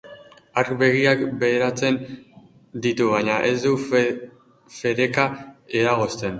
Hark begiak beheratzen ditu baina ez du fereka eragozten.